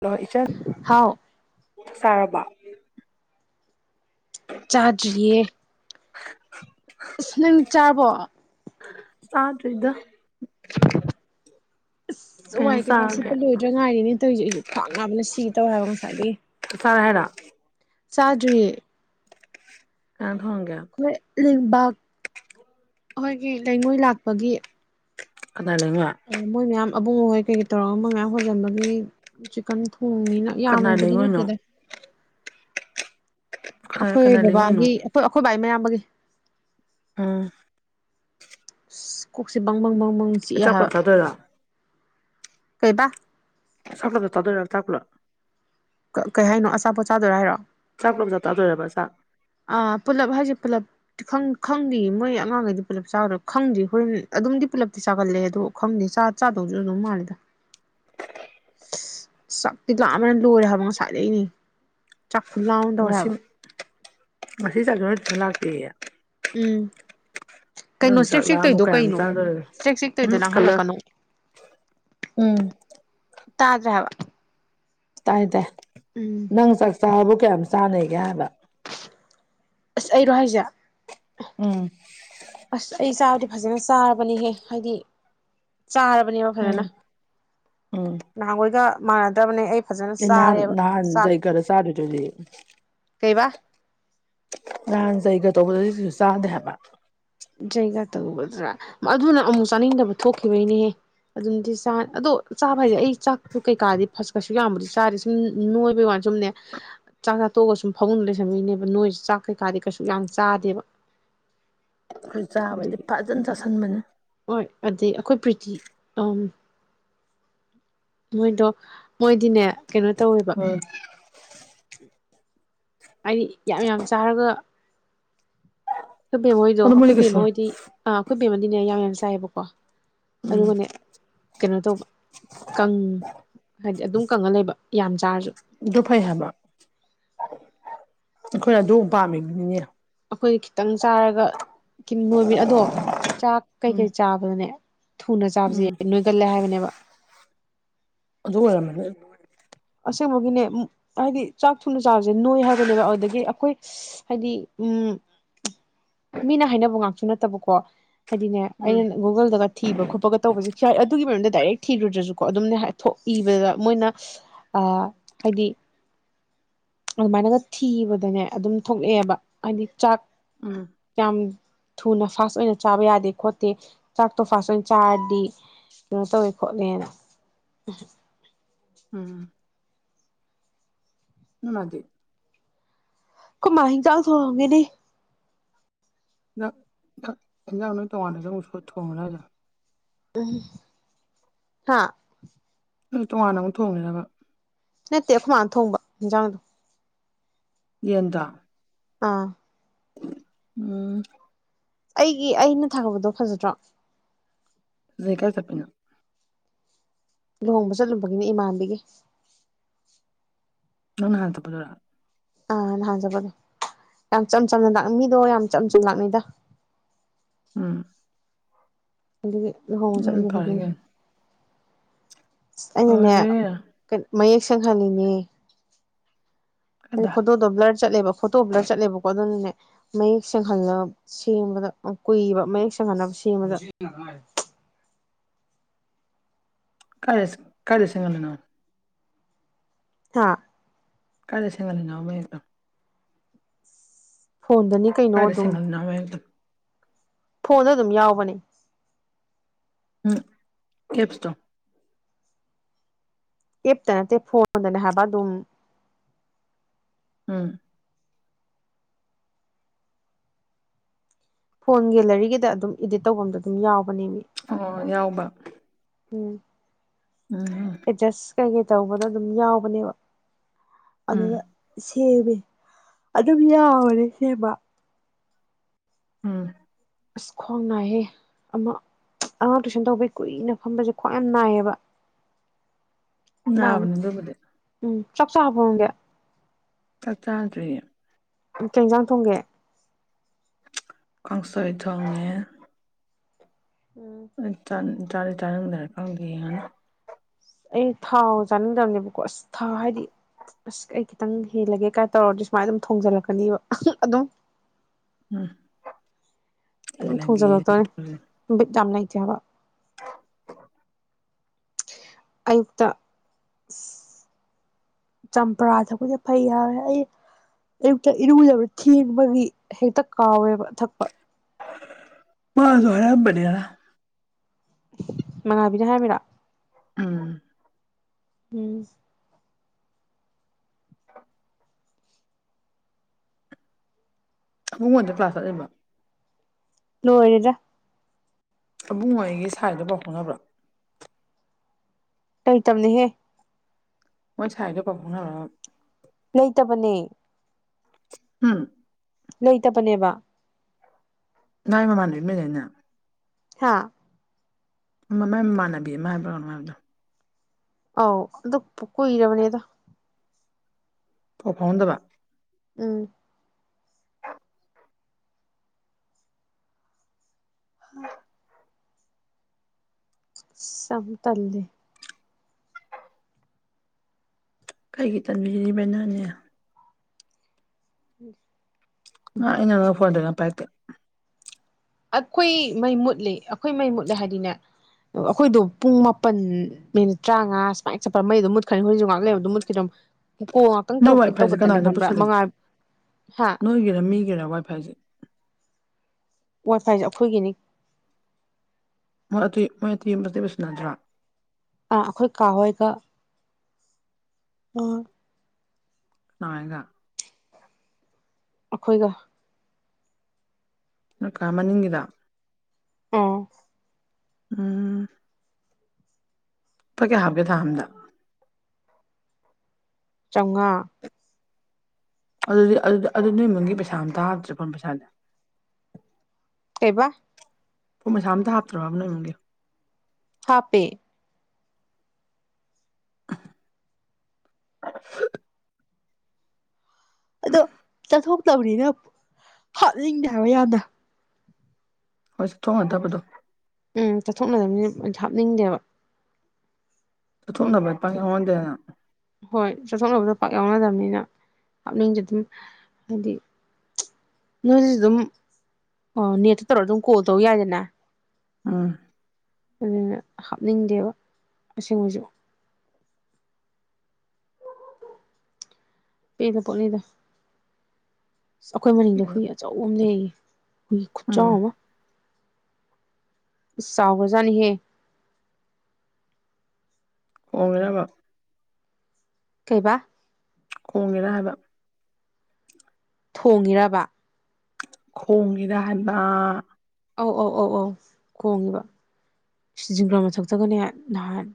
hello ꯏꯆꯟ ꯍꯥꯎ ꯆꯥꯛ ꯆꯥꯔꯕ ꯆꯥꯗ꯭ꯔꯤꯌꯦ ꯑꯁ ꯅꯪ ꯆꯥꯕꯣ ꯆꯥꯗꯔꯤꯗ ꯑꯁ ꯋꯥꯏ ꯀꯩꯀꯥ ꯁꯤꯠꯄ ꯂꯣꯏꯗ꯭ꯔꯥ ꯉꯥꯏꯔꯤꯅꯦ ꯇꯧꯔꯤꯁꯦ ꯑꯩꯁꯨ ꯈ꯭ꯋꯥꯡ ꯅꯥꯕꯅ ꯁꯤꯒꯦ ꯇꯧꯑꯦ ꯍꯥꯏꯕ ꯉꯁꯥꯏꯗꯒꯤ [unintelligible] ꯆꯥꯗ꯭ꯔꯤꯌꯦ [unintelligible] [unintelligible] [unintelligible] ꯑꯈꯣꯏꯒꯤ ꯂꯩꯉꯣꯏ ꯂꯥꯛꯄꯒꯤ ꯀꯅꯥꯏ ꯂꯩꯉꯣꯏ ꯃꯣꯏ ꯃꯌꯥꯝ ꯑꯕꯨꯡꯑꯣ ꯍꯣꯏ ꯀꯩꯀꯩ ꯇꯧꯔꯒ ꯃꯣꯏ ꯃꯌꯥꯝ ꯍꯣꯟꯖꯟꯕꯒꯤ ꯆꯤꯛꯀꯟ ꯊꯣꯡꯅꯤꯟ ꯀꯅꯥꯏ ꯌꯥꯝꯕꯨꯗꯤ ꯂꯩꯉꯣꯏꯅꯣ ꯅꯠꯇꯦꯗ ꯀꯅꯥꯏ ꯑꯈꯣꯏ ꯀꯅꯥꯏ ꯂꯩꯉꯣꯏꯅꯣ ꯕꯕꯥꯒꯤ ꯑꯈꯣꯏ ꯑꯈꯣꯏ ꯕꯥꯏ ꯃꯌꯥꯝꯕꯒꯤ ꯎꯝ ꯀꯣꯛꯁꯤ ꯕꯡ ꯕꯡ ꯕꯡ ꯆꯤꯛ ꯑꯦ ꯆꯥꯛ ꯍꯥꯏꯕꯥ ꯄꯨꯂꯞ ꯆꯥꯗꯣꯏꯔꯣ ꯀꯩꯕꯥ [unintelligible] ꯀꯩ ꯍꯥꯏꯅꯣ ꯑꯆꯥꯄꯣꯠ ꯆꯥꯗꯣꯏꯔꯥ ꯍꯥꯏꯔꯣ ꯆꯥꯛ ꯄꯨꯜꯂꯞ ꯆꯥꯛ ꯆꯥꯖꯣꯏꯔꯕ ꯆꯥꯛ ꯑꯥ ꯄꯨꯂꯞ ꯍꯥꯏꯁꯦ ꯄꯨꯂꯞ ꯈꯪꯗꯦ ꯃꯣꯏ ꯑꯉꯥꯡꯈꯩꯗꯤ ꯄꯨꯂꯞ ꯆꯒꯗꯔꯥ ꯈꯪꯗꯦ ꯍꯣꯔꯦꯟ ꯑꯗꯨꯝꯗꯤ ꯄꯨꯂꯞꯤ ꯆꯒꯟꯂꯦ ꯑꯗꯣ ꯈꯪꯗꯦ ꯆꯥ ꯆꯥꯗꯧꯁꯨ ꯑꯗꯨꯝ ꯃꯥꯜꯂꯦꯗ [inaudible] ꯆꯥꯛꯇꯤ ꯂꯥꯝꯕꯅꯥ ꯂꯣꯏꯔꯦ ꯍꯥꯏꯕ ꯉꯁꯥꯏ ꯂꯩꯩꯅꯤ ꯆꯥꯛꯈꯨꯂꯥꯝ ꯑꯃ ꯇꯧꯔꯦ ꯉꯁꯤ ꯍꯥꯏꯕꯥ [unintelligible] ꯎꯝ ꯅꯪ ꯀꯩꯅꯣ ꯆꯥꯛ ꯆ꯭ꯔꯦꯛ ꯆ꯭ꯔꯦꯛ ꯂꯥꯝꯃꯨ ꯇꯧꯏꯗꯣ ꯀꯌꯥꯝ ꯀꯩꯅꯣ ꯆꯥꯗꯣꯔꯤꯒꯦ ꯆ꯭ꯔꯦꯛ ꯆ꯭ꯔꯦꯛ ꯇꯩꯔꯤꯗꯣ ꯎꯝ ꯀꯂꯔ ꯂꯥꯡꯍꯜꯂꯛꯀꯅꯣ ꯎꯝ ꯇꯥꯗ꯭ꯔꯦ ꯍꯥꯏꯕ ꯇꯥꯏ ꯇꯥꯏ ꯎꯝ ꯅꯪ ꯆꯥꯛꯆꯥꯕꯨ ꯀꯌꯥꯝ ꯆꯥꯅꯦꯒꯦ ꯍꯥꯏꯕ ꯑꯁ ꯑꯩꯔꯣ ꯍꯥꯏꯁꯦ ꯎꯝ ꯑꯁ ꯑꯩ ꯆꯥꯕꯗꯤ ꯐꯖꯅ ꯆꯥꯔꯕꯅꯤꯍꯦ ꯍꯥꯏꯗꯤ ꯆꯥꯔꯕꯅꯦꯕ ꯐꯖꯅ ꯎꯝ ꯎꯝ ꯅꯍꯥꯟꯈꯣꯏꯒ ꯃꯥꯟꯅꯗꯕꯅꯦ ꯑꯩ ꯐꯖꯅ ꯑꯦ ꯅꯍꯥꯟ ꯆꯥꯔꯦꯕ ꯅꯍꯥꯟ ꯆꯥꯛ ꯖꯩꯒꯗ ꯆꯥꯗ꯭ꯔꯤꯗꯨꯗꯤ ꯀꯩꯕꯥ ꯅꯍꯥꯟ ꯖꯩꯒ꯭ꯌꯥ ꯇꯧꯕꯗꯗꯤ ꯀꯩꯁꯨ ꯆꯥꯗꯦ ꯍꯥꯏꯕ ꯩꯌꯩꯒ꯭ꯌꯥ ꯇꯧꯕꯗꯨꯔꯥ ꯑꯗꯨꯅ ꯑꯃꯨꯛ ꯆꯥꯅꯤꯡꯗꯕ ꯊꯣꯛꯈꯤꯕꯒꯤꯅꯦꯍꯦ ꯑꯗꯨꯝꯗꯤ ꯆꯥ ꯑꯗꯣ ꯆꯥꯕ ꯍꯥꯏꯁꯦ ꯑꯩ ꯆꯥꯛꯇꯣ ꯀꯩꯀꯥꯗꯤ ꯀꯩꯁꯨ ꯌꯥꯝꯕꯗꯤ ꯆꯥꯗꯦ ꯁꯨꯝ ꯅꯣꯏꯕꯩ ꯋꯥꯅꯤ ꯁꯨꯝꯅꯦ ꯆꯥꯛꯆꯥ ꯇꯣꯛꯑꯒ ꯁꯨꯝ ꯐꯄꯨꯡꯗ ꯂꯩꯁꯤꯟꯕꯩꯅꯦ ꯅꯣꯏꯁꯦ ꯆꯥꯛ ꯀꯩꯀꯥꯗꯤ ꯀꯩꯁꯨ ꯌꯥꯝ ꯆꯥꯗꯦꯕ ꯑꯩꯈꯣꯏ ꯆꯥꯕꯗꯤ ꯑꯗꯨꯒꯤ ꯐꯖꯅ ꯆꯥꯁꯤꯟꯕꯅꯦ ꯍꯣꯏ ꯑꯗꯩ ꯑꯩꯈꯣꯏ ꯄ꯭ꯔꯤꯇꯤ ꯎꯝ ꯃꯣꯏꯗꯣ ꯃꯣꯏꯗꯤꯅꯦ ꯀꯩꯅꯣ ꯇꯧꯋꯦꯕ ꯎꯝ ꯍꯥꯏꯗꯤ ꯌꯥꯝ ꯌꯥꯝ ꯆꯥꯔꯒ ꯑꯩꯈꯣꯏ ꯕꯦꯝꯃꯍꯣꯏꯗꯣ ꯑꯗꯨ ꯃꯣꯏꯗꯤ ꯑꯩꯈꯣꯏ ꯀꯩꯁꯨ ꯕꯦꯝꯃ ꯍꯣꯏꯗꯤ ꯑꯥ ꯑꯩꯈꯣꯏ ꯕꯦꯝꯃ ꯗꯤꯅꯦ ꯌꯥꯝ ꯌꯥꯝꯅ ꯆꯥꯏꯌꯦꯕꯀꯣ ꯎꯝ ꯑꯗꯨꯒꯅꯦ ꯀꯩꯅꯣ ꯇꯧꯕ ꯀꯪ ꯍꯥꯏꯗꯤ ꯑꯗꯨꯝ ꯀꯪꯉ ꯂꯩꯕ ꯌꯥꯝ ꯆꯥꯔꯁꯨ ꯑꯗꯨ ꯐꯩ ꯍꯥꯏꯕ ꯑꯩꯈꯣꯏꯅ ꯑꯗꯨ ꯄꯥꯝꯃꯤꯕꯅꯤꯅꯦ ꯑꯩꯈꯣꯏ ꯈꯤꯇꯪ ꯆꯥꯔꯒ ꯀꯤꯟ ꯅꯣꯏꯕꯤ ꯑꯗꯣ ꯆꯥꯛ ꯎꯝ ꯀꯩꯀꯩ ꯆꯥꯕꯅꯦ ꯊꯨꯅ ꯆꯥꯕꯁꯦ ꯎꯝ ꯅꯣꯏꯒꯜꯂꯦ ꯍꯥꯏꯕꯅꯦꯕ ꯑꯗꯨ ꯑꯣꯏꯔꯝꯃꯅꯤ ꯑꯁꯦꯡꯕꯒꯤꯅꯦ ꯍꯥꯏꯗꯤ ꯆꯥꯛ ꯊꯨꯅ ꯆꯥꯕꯁꯦ ꯅꯣꯏ ꯍꯥꯏꯕꯅꯦꯕ ꯑꯗꯨꯗꯒꯤ ꯑꯩꯈꯣꯏ ꯍꯥꯏꯗꯤ ꯎꯝ ꯎꯝ [inaudible] ꯃꯤꯅ ꯍꯥꯏꯅꯕ ꯉꯥꯛꯁꯨ ꯅꯠꯇꯕꯀꯣ ꯍꯥꯏꯗꯤꯅꯦ ꯎꯝ ꯑꯩꯅ ꯒꯨꯒꯜꯗꯒ ꯊꯤꯕ ꯈꯣꯠꯄꯒ ꯇꯧꯕꯁꯦ ꯁꯥꯔ ꯑꯗꯨꯒꯤ ꯃꯔꯝꯗ ꯗꯥꯏꯔꯦꯛ ꯊꯤꯔꯨꯗ꯭ꯔꯁꯨꯀꯣ ꯑꯗꯨꯝꯅꯦꯍꯥꯏ ꯊꯣꯛꯏꯕꯗ ꯃꯣꯏꯅ ꯑꯥ ꯍꯥꯏꯗꯤ ꯑꯗꯨꯃꯥꯏꯅꯒ ꯊꯤꯕꯗꯅꯦ ꯑꯗꯨꯝ ꯊꯣꯛꯂꯛꯑꯦꯕ ꯍꯥꯏꯗꯤ ꯆꯥꯛ ꯎꯝ ꯌꯥꯝ ꯊꯨꯅ ꯐꯥꯁ ꯑꯣꯏꯅ ꯆꯥꯕ ꯌꯥꯗꯦ ꯈꯣꯠꯇꯦ ꯆꯥꯛꯇꯣ ꯐꯥꯁ ꯑꯣꯏꯅ ꯆꯥꯔꯗꯤ ꯀꯩꯅꯣ ꯇꯧꯋꯦ ꯈꯣꯠꯂꯦꯅ ꯎꯝ ꯅꯣꯏ ꯃꯥꯗꯤ ꯑꯩꯈꯣꯏ ꯃꯥ ꯍꯤꯡꯖꯥꯡ ꯊꯣꯡꯉꯝꯒꯤꯅꯤ ꯅ ꯈ ꯍꯦꯟꯖꯥꯡ ꯅꯣꯏ ꯇꯣꯡꯉꯥꯟꯅ ꯁꯨ ꯑꯃꯨꯛꯁꯨ ꯊꯣꯡꯉꯔꯣꯏ ꯍꯥꯏꯗꯥꯏꯅꯦ ꯎꯝ ꯍꯥ ꯎꯝ ꯇꯣꯉꯥꯟꯅ ꯑꯃꯨꯛ ꯊꯣꯡꯉꯤꯔꯕ ꯅꯠꯇꯦ ꯑꯩꯈꯣꯏꯃꯥꯅ ꯊꯣꯡꯕ ꯍꯦꯟꯖꯥꯡꯗꯣ ꯌꯦꯟꯗꯣ ꯑꯥ ꯎꯝ ꯑꯩꯒꯤ ꯑꯩꯅ ꯊꯥꯒꯠꯄꯗꯣ ꯐꯖꯗ꯭ꯔꯣ ꯂꯩ ꯀꯥꯏ ꯆꯠꯄꯤꯅꯣ ꯂꯨꯍꯣꯡꯕ ꯆꯠꯂꯨꯕꯒꯤꯅꯦ ꯏꯃꯥꯟꯅꯕꯤꯒꯤ ꯅꯪ ꯅꯍꯥꯟ ꯆꯠꯄꯗꯨꯔꯣ ꯑꯥ ꯅꯍꯥꯟ ꯆꯠꯄꯗꯣ ꯌꯥꯝ ꯆꯝ ꯆꯝꯅ ꯂꯥꯛꯅꯤꯡꯉꯤꯗꯣ ꯌꯥꯝ ꯆꯝ ꯆꯝꯅ ꯂꯥꯛꯅꯩꯗ ꯎꯝ ꯑꯗꯨꯒꯤ ꯂꯨꯍꯣꯡ ꯎꯝ ꯐꯔꯦ ꯆꯠꯂꯨꯕꯒꯤꯅꯤ ꯀꯩꯅꯣ ꯑꯩꯅꯅꯦ ꯐꯔꯦ ꯀꯅꯣ ꯃꯌꯦꯛ ꯁꯦꯡꯍꯜꯂꯤꯅꯦ ꯍꯥꯏꯗꯤ ꯀꯥꯏꯗ ꯐꯣꯇꯣꯗꯣ ꯕ꯭ꯂꯔ ꯆꯠꯂꯦꯕ ꯐꯣꯇꯣ ꯕꯂꯔ ꯆꯠꯂꯦꯕꯀꯣ ꯑꯗꯨꯅꯅꯦ ꯃꯌꯦꯛ ꯁꯦꯡꯍꯜꯂ ꯁꯦꯝꯕꯗ ꯀꯨꯏꯕ ꯃꯌꯦꯛ ꯁꯦꯡꯍꯟꯅꯕ ꯁꯦꯝꯕꯗ [inaudible] ꯀꯥꯏꯗ ꯀꯥꯏꯗ ꯁꯦꯡꯍꯜꯂꯤꯅꯣ ꯍꯥꯥ ꯀꯥꯏꯗ ꯁꯦꯡꯍꯜꯂꯤꯅꯣꯕ ꯋꯦꯟꯗꯣ ꯐꯣꯟꯗꯅꯤ ꯀꯩꯅꯣ ꯀꯥꯏꯗ ꯑꯗꯨꯝ ꯁꯦꯝꯒꯠꯂꯤꯅꯣꯕ ꯃꯌꯦꯛꯇꯣ ꯐꯣꯟꯗ ꯑꯗꯨꯝ ꯌꯥꯎꯕꯅꯦ ꯎꯝ ꯑꯦꯞꯁ ꯇꯣ ꯑꯦꯞꯇ ꯅꯠꯇꯦ ꯐꯣꯟꯗꯅꯦ ꯍꯥꯏꯕ ꯑꯗꯨꯝ ꯎꯝ ꯐꯣꯟ ꯒꯦꯂꯔꯤꯒꯤꯗ ꯑꯗꯨꯝ ꯏꯗꯤꯠ ꯇꯧꯕꯝꯗ ꯑꯗꯨꯝ ꯌꯥꯎ ꯑꯣ ꯌꯥꯎꯕ ꯎꯝ ꯎꯝꯍꯨꯝ ꯀꯩ ꯀꯩ ꯇꯧꯕꯗꯣ ꯑꯗꯨꯝ ꯌꯥꯎꯕꯅꯦꯕ ꯑꯗꯨꯗ ꯎꯝ ꯁꯤ ꯁꯦꯃꯦ ꯑꯗꯨꯝ ꯌꯥꯕꯅꯦ ꯁꯦꯝꯕ ꯎꯝ ꯑꯁ ꯈ꯭ꯋꯥꯡ ꯅꯥꯏꯍꯦ ꯑꯃ ꯑꯉꯥꯡ ꯇꯨꯏꯁꯟ ꯇꯧꯕꯩ ꯀꯨꯏꯅ ꯐꯝꯕꯖꯦ ꯈ꯭ꯋꯥꯡ ꯌꯥꯝ ꯅꯥꯏꯌꯦꯕ ꯅꯥꯕ ꯅꯥꯕꯅꯤ ꯗꯨꯕꯨꯗꯤ ꯎꯝ ꯆꯥꯛ ꯆꯥꯔꯕꯣ ꯅꯪꯗꯤ ꯆꯥꯛ ꯆꯥꯗ꯭ꯔꯤꯌꯦ ꯀꯩ ꯏꯟꯖꯥꯡ ꯊꯣꯡꯒꯦ ꯀꯥꯡꯁꯣꯏ ꯊꯣꯡꯉꯦ ꯑꯩ ꯇꯥꯗꯤ ꯇꯥꯔꯝꯅꯤ ꯈꯪꯗꯦ ꯌꯦꯡꯉꯅꯤ ꯑꯩ ꯊꯥꯎ ꯆꯥꯅꯤꯡꯗꯕꯅꯦꯕꯀꯣ ꯑꯁ ꯊꯥ ꯍꯥꯏꯗꯤ ꯑꯁ ꯑꯩ ꯈꯤꯇꯪ ꯍꯦꯜꯂꯒꯦ ꯀꯥ ꯇꯧꯔꯗꯤ ꯁꯨꯃꯥꯏꯅ ꯑꯗꯨꯝ ꯊꯣꯡꯖꯤꯜꯂꯛꯀꯅꯦꯕ [unintelligible] ꯑꯗꯨꯝ ꯎꯝ ꯑꯗꯨꯝ ꯊꯤꯜꯂꯒꯦ ꯊꯣꯡꯖꯜꯂꯛꯇꯣꯏꯅꯤ ꯕꯤꯠ ꯌꯥꯝ ꯂꯩꯇꯦ ꯍꯥꯏꯕ ꯑꯌꯨꯛꯇ ꯑꯁ ꯆꯝꯄ꯭ꯔꯥ ꯊꯛꯄꯖꯦ ꯐꯩ ꯍꯥꯏꯕꯅꯦ ꯑꯩ ꯑꯌꯨꯛꯇ ꯏꯔꯨꯖꯕ ꯊꯦꯡꯕꯒꯤ ꯍꯦꯛꯇ ꯀꯥꯎꯋꯦꯕ ꯊꯛꯄ ꯑꯍꯟꯕꯅꯦ ꯉꯔꯥꯡ ꯃꯉꯥꯕꯤꯅ ꯍꯥꯏꯔꯝꯃꯤꯔꯥ ꯎꯝ ꯎꯝ ꯑꯕꯨꯡꯉꯣꯗꯣ ꯀ꯭ꯂꯥꯁ ꯆꯠꯂꯤꯕ ꯂꯣꯏꯔꯦꯗꯥ ꯑꯕꯨꯡꯉꯣ ꯑꯩꯒꯤ ꯁꯥꯏꯗꯣ ꯄꯥꯎ ꯐꯥꯎꯅꯕ꯭ꯔꯥ ꯂꯩ ꯇꯝꯅꯤꯍꯦ ꯃꯣꯏ ꯁꯥꯏꯗꯣ ꯄꯥꯎ ꯐꯥꯎꯅꯕ꯭ꯔꯕ ꯃꯥꯟꯅꯦ ꯍꯨꯝ ꯂꯩꯇꯕꯅꯦꯕꯥ ꯃꯥꯏ ꯅꯃꯥꯟꯅꯕꯤ ꯑꯃ ꯂꯩꯗꯥꯏꯅꯦ ꯍꯥꯥ ꯃꯥꯢ ꯃꯥꯟꯅꯕꯤ ꯑꯃ ꯍꯥꯏꯕ꯭ꯔꯥ ꯀꯩꯅꯨꯝ ꯍꯥꯏꯕꯅꯦ ꯑꯥꯎ ꯑꯗꯨ ꯀꯨꯏꯔꯕꯅꯤꯗ ꯄꯥꯎ ꯐꯥꯎꯅꯗꯕ ꯎꯝ ꯍꯥ [unintelligible] ꯌꯥꯝ ꯇꯜꯂꯦ ꯀꯩꯒꯤ ꯇꯟꯕꯤꯔꯤꯕ ꯅꯪꯅꯦ ꯎꯝ [unintelligible] ꯇꯧꯌꯦ ꯅꯪ ꯄꯥꯏꯔꯛꯇꯦ ꯑꯥꯈꯨꯏ ꯃꯩ ꯃꯨꯠꯂꯤ ꯑꯩꯈꯣꯏ ꯃꯩ ꯃꯨꯠꯂꯦ ꯍꯥꯏꯗꯤꯅꯦ ꯑꯩꯈꯣꯏꯗꯣ ꯄꯨꯡ ꯃꯥꯄꯟ ꯃꯤꯅꯤꯠ ꯇ꯭ꯔꯥꯉꯥ ꯁꯨꯃꯥꯏꯅ ꯆꯠꯄ ꯃꯩꯑꯗꯨꯝ ꯃꯨꯠꯈ꯭ꯔꯅꯤ ꯅꯣꯏꯖꯨ ꯉꯥꯛ ꯂꯩꯕ ꯑꯗꯨꯝ ꯃꯨꯠꯈꯤꯗꯔꯣꯝ ꯀꯣꯜ ꯉꯥꯛꯇꯪ ꯇꯧꯔꯛꯀꯦ ꯇꯧꯕꯗꯅꯦ ꯈꯪꯕ꯭ꯔꯥ ꯃꯉꯥꯜ ꯅꯣꯏꯒꯤꯔꯥ ꯃꯤꯒꯤꯔꯥ ꯋꯥꯏꯐꯥꯏꯁꯦ ꯋꯥꯏ ꯐꯥꯏꯁꯦ ꯑꯈꯣꯏꯒꯤꯅꯤ [unintelligible] ꯑꯥ ꯑꯩꯈꯣꯏ ꯀꯥ ꯍꯣꯏꯒ ꯑꯣ [unintelligible] ꯑꯈꯣꯏꯒ ꯅꯣꯏ ꯀꯥ ꯃꯅꯤꯡꯒꯤꯗꯣ ꯑꯣ ꯎꯝ ꯂꯨꯄꯥ ꯀꯌꯥ ꯍꯥꯞꯀꯦ ꯊꯥ ꯑꯝꯗ ꯆꯧꯉꯥ ꯑꯗꯨꯗꯤ ꯑꯗꯨꯗꯤ ꯑꯗꯨ ꯅꯣꯏ ꯃꯨꯡꯒꯤ ꯄꯩꯁꯥ ꯑꯝꯇ ꯍꯥꯞꯇ꯭ꯔꯦ ꯐꯣꯟ ꯄꯩꯁꯥꯗꯤ ꯀꯩꯕꯥ ꯄꯣꯟ ꯃꯩꯁꯥ ꯑꯝꯇ ꯍꯥꯞꯇ꯭ꯔꯣꯕ ꯅꯣꯏ ꯏꯃꯨꯡꯒꯤ ꯍꯥꯞꯄꯦ [inaudible] ꯑꯗꯣ ꯆꯠꯊꯣꯛꯇꯕꯅꯤꯅ ꯍꯥꯞꯅꯤꯡꯗꯦ ꯍꯥꯏꯕ ꯌꯥꯝꯅ ꯍꯣꯏ ꯆꯠꯊꯣꯛꯅꯗꯕꯗꯣ ꯎꯝ ꯆꯠꯊꯣꯛꯅꯗꯕꯅꯤꯅ ꯍꯥꯞꯅꯤꯡꯗꯦꯕ ꯑꯗꯨꯝ ꯆꯠꯊꯣꯛꯅꯕ ꯂꯨꯄꯥ ꯑꯩꯉꯣꯟꯗꯅ ꯍꯣꯏ ꯆꯠꯊꯣꯛꯅꯕꯗꯣ ꯄꯥꯛ ꯌꯥꯎꯅꯗꯕꯅꯤꯅ ꯍꯥꯞꯅꯤꯡꯗꯦ ꯗꯨꯝ ꯍꯥꯏꯗꯤ ꯅꯣꯏꯗꯖꯨꯗꯨꯝ ꯑꯣ ꯅꯦꯠꯇ ꯇꯧꯔꯒ ꯑꯗꯨꯝ ꯀꯣꯜ ꯇꯧꯔꯛ ꯌꯥꯏꯗꯅ ꯎꯝ ꯑꯗꯨꯅ ꯍꯥꯞꯅꯤꯡꯗꯦꯕ ꯑꯁꯦꯡꯕꯩꯁꯨ ꯄꯦꯜꯂꯄꯣꯠꯅꯤꯗ ꯑꯁ ꯑꯩꯈꯣꯏ ꯃꯅꯤꯡꯗ ꯍꯨꯏ ꯑꯆꯧꯕ ꯑꯃ ꯂꯩꯔꯤꯌꯦ ꯍꯨꯏ ꯈꯨꯠꯆꯥꯎ ꯎꯝ ꯑꯃ ꯏꯁ ꯆꯥꯎꯒꯔꯖꯥꯅꯤꯍꯦ ꯈꯣꯡꯉꯤꯔꯕ ꯀꯩꯕꯥ ꯈꯣꯡꯉꯤꯔꯥ ꯍꯥꯏꯕ ꯊꯣꯡꯉꯤꯔꯥꯕ ꯈꯣꯡꯉꯤꯔꯥ ꯍꯥꯏꯕꯥ ꯑꯧ ꯑꯧ ꯑꯧ ꯑꯧ ꯈꯣꯡꯉꯤꯕ ꯑꯁ ꯖꯤꯡꯒ꯭ꯔꯥ ꯃꯊꯛꯇꯒꯅꯦ ꯅꯍꯥꯟ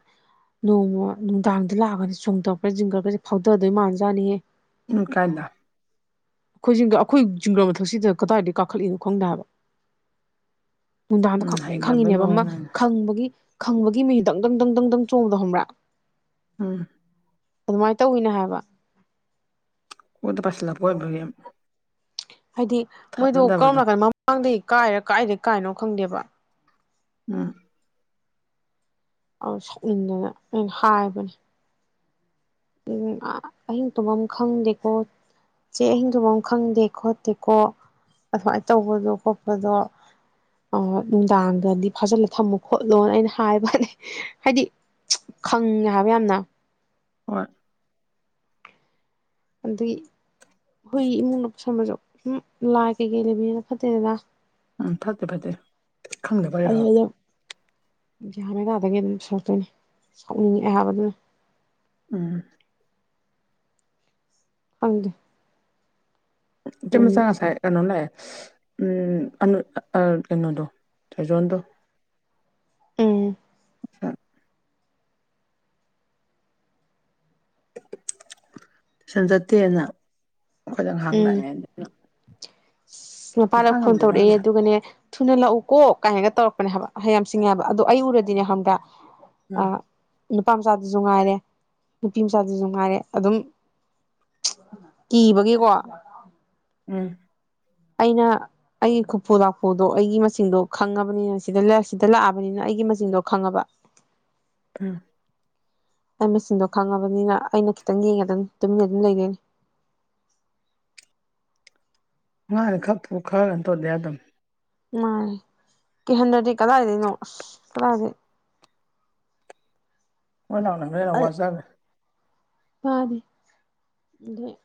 ꯅꯣꯡꯃ ꯅꯨꯡꯗꯥꯡꯗ ꯂꯥꯛꯑꯒꯅꯦ ꯆꯣꯡꯊꯔꯛꯄ ꯆꯤꯡꯒ꯭ꯔꯒꯁꯦ ꯐꯥꯎꯗꯗꯣꯏ ꯃꯥꯟꯖꯥꯠꯅꯤꯍꯦ ꯎꯝ ꯀꯥꯏꯗ ꯑꯩꯈꯣꯏ ꯖꯤꯡꯒ ꯑꯩꯈꯣꯏ ꯖꯤꯡꯒ ꯃꯊꯛꯁꯤꯗ ꯀꯗꯥꯏꯗꯒꯤ ꯀꯥꯈꯠꯂꯤꯅꯣ ꯈꯪꯗꯦ ꯍꯥꯏꯕ ꯅꯨꯡꯟꯗꯥꯟꯗꯣ ꯎꯝ ꯈꯪꯡꯄ꯭ꯔꯛ ꯍꯩꯒ꯭ꯔꯕꯩ ꯈꯪꯉꯤꯅꯦꯕ ꯑꯃ ꯃꯑꯣꯡ ꯅꯪꯅ ꯈꯪꯕꯒꯤ ꯈꯪꯕꯒꯤ ꯃꯍꯤꯟ ꯗꯪ ꯗꯪ ꯗꯪ ꯗꯪ ꯗꯪ ꯆꯣꯡꯕꯗꯣ ꯈꯪꯕ꯭ꯔ ꯎꯝ ꯑꯗꯨꯃꯥꯏ ꯇꯧꯋꯤꯅꯦ ꯍꯥꯏꯕ ꯃꯣꯏꯗ ꯄꯥꯏꯁꯤꯜꯂꯛꯄ ꯑꯣꯏꯕꯒꯤ ꯍꯥꯏꯗꯤ ꯃꯣꯏꯗꯣ ꯀꯔꯣꯝ ꯊꯥꯖꯗꯕꯗꯣ ꯅꯥꯀꯟ ꯃꯃꯥꯡꯗꯩ ꯀꯥꯏꯔ ꯀꯥꯏꯗꯩ ꯀꯥꯏꯅꯣ ꯈꯪꯗꯦꯕ ꯎꯝ ꯑꯥ ꯁꯥꯎꯅꯤꯡꯗꯅ ꯑꯩꯅ ꯍꯥꯏꯕꯅꯦ ꯎꯝ ꯑꯥ ꯑꯍꯤꯡ ꯇꯨꯝꯐꯝ ꯈꯪꯗꯦꯀꯣ ꯆꯦ ꯑꯍꯤꯡ ꯇꯨꯝꯐꯝ ꯈꯪꯗꯦ ꯈꯣꯠꯇꯦꯀꯣ ꯑꯁꯨꯃꯥꯏꯅ ꯇꯧꯕꯗꯣ ꯈꯣꯠꯄꯗꯣ ꯑꯥ ꯅꯨꯡꯗꯥꯡꯗꯗꯤ ꯐꯥꯖꯜꯂ ꯊꯝꯃꯨ ꯈꯣꯠꯂꯣꯅ ꯑꯩꯅ ꯍꯥꯏꯕꯅꯦ ꯍꯥꯏꯗꯤ ꯈꯪꯉꯦ ꯍꯥꯏꯕ ꯌꯥꯝꯅ ꯍꯣꯏ ꯑꯗꯨꯏ ꯍꯨꯏ ꯏꯃꯨꯡꯗ ꯄꯨꯁꯟꯃꯁꯨ ꯎꯝ ꯂꯥꯏ ꯀꯩꯀꯩ ꯂꯩꯕꯅꯤꯅ ꯐꯠꯇꯦꯗꯅ ꯎꯝ ꯐꯇꯦ ꯐꯇꯦ ꯈꯪꯗꯕꯩꯔ ꯒ꯭ꯌꯟ ꯃꯦꯟ ꯇꯗꯒꯧ ꯑꯗꯨꯝ ꯁꯔꯛꯇꯣꯏꯅꯦ ꯁꯥꯎꯅꯤꯡꯉꯛꯑꯦ ꯍꯥꯏꯕ ꯑꯗꯨꯅ ꯎꯝ ꯍꯪꯗꯦ ꯏꯆꯝꯆ ꯉꯁꯥꯏ ꯀꯩꯅꯣ ꯂꯛꯑꯦ ꯎꯝ ꯑꯥ ꯑꯅꯣꯗꯣ ꯆꯖꯣꯗꯣ ꯎꯝ ꯇꯨꯏꯁꯟ ꯆꯠꯇꯦꯅ ꯑꯩꯈꯣꯏ ꯉꯍꯥꯡ ꯂꯥꯛꯑꯦꯅ ꯃꯄꯥꯅ ꯐꯣꯟ ꯇꯧꯔꯛꯑꯦ ꯑꯗꯨꯒꯅꯦ ꯊꯨꯅ ꯂꯥꯛꯎ ꯀꯣ ꯀꯥꯏꯅꯒ ꯇꯧꯔꯛꯄꯅꯦ ꯍꯥꯏꯕ ꯍꯩꯌꯝ ꯁꯤꯡꯉꯦ ꯍꯥꯏꯕ ꯑꯗꯣ ꯑꯩ ꯎꯔꯗꯤꯅꯦ ꯈꯪꯕ꯭ꯔ ꯎꯝ ꯅꯨꯄꯥ ꯃꯆꯥꯗꯨꯁꯨ ꯉꯥꯏꯔꯦ ꯅꯨꯄꯤ ꯃꯆꯥꯗꯨꯁꯨ ꯉꯥꯏꯔꯦ ꯑꯗꯨꯝ ꯀꯤꯕꯒꯤꯀꯣ ꯎꯝ ꯑꯩꯅ ꯑꯩꯒꯤ ꯈꯨꯐꯨ ꯂꯥꯛꯐꯨꯗꯣ ꯑꯩꯒꯤ ꯃꯁꯤꯡꯆꯗꯣ ꯈꯪꯉꯕꯅꯤꯅ ꯁꯤꯗ ꯁꯤꯗ ꯂꯥꯛꯑꯕꯅꯤꯅ ꯑꯩꯒꯤ ꯃꯁꯤꯡꯆꯗꯣ ꯈꯪꯉꯕ [unintelligible] ꯑꯩ ꯃꯆꯤꯟꯗꯣ ꯈꯪꯉꯕꯅꯤꯅ ꯑꯩꯅ ꯈꯤꯇꯪ ꯌꯦꯡꯉ ꯑꯗꯨ ꯇꯨꯃꯤꯟꯅ ꯑꯗꯨꯝ ꯂꯩꯔꯣꯏꯅꯦ [inaudible] ꯉꯥꯅꯤ ꯈꯔ ꯈ꯭ꯔꯒ ꯇꯧꯗ ꯌꯥꯗꯝꯅꯤ ꯃꯥꯅꯦ ꯀꯏꯍꯟꯗ꯭ꯔꯗꯤ ꯀꯗꯥꯏꯗꯩꯩꯅꯣ ꯑꯁ ꯀꯗꯥꯏꯒꯤ ꯃꯣꯏ ꯂꯥꯎꯅꯕꯅ ꯍꯦꯟꯅ ꯋꯥꯖꯒꯦ ꯄꯥꯗꯦ ꯑꯗꯩꯩ